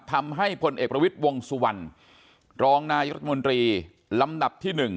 พลเอกประวิทย์วงสุวรรณรองนายรัฐมนตรีลำดับที่๑